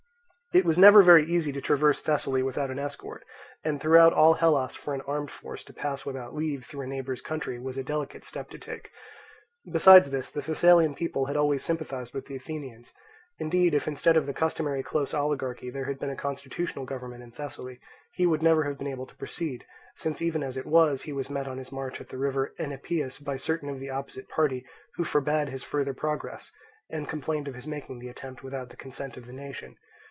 It was never very easy to traverse Thessaly without an escort; and throughout all Hellas for an armed force to pass without leave through a neighbour's country was a delicate step to take. Besides this the Thessalian people had always sympathized with the Athenians. Indeed if instead of the customary close oligarchy there had been a constitutional government in Thessaly, he would never have been able to proceed; since even as it was, he was met on his march at the river Enipeus by certain of the opposite party who forbade his further progress, and complained of his making the attempt without the consent of the nation.